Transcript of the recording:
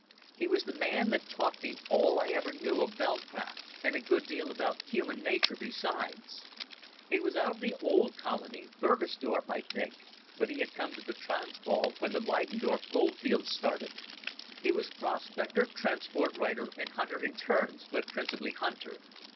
He was the man that taught me all I ever knew of veld craft, and a good deal about human nature besides. He was out of the Old Colony—Burgersdorp, I think—but he had come to the Transvaal when the Lydenburg goldfields started. He was prospector, transport rider, and hunter in turns, but principally hunter.